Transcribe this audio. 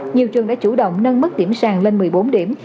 nhiều trường đã chủ động nâng mức điểm sàng lên một mươi bốn điểm